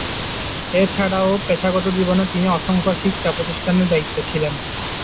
এছাড়াও পেশাগত জীবনে তিনি অসংখ্য শিক্ষা প্রতিষ্ঠানের দায়িত্বে ছিলেন।